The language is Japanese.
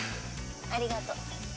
ありがとう。